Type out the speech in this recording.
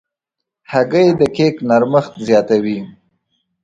هګۍ د کیک نرمښت زیاتوي.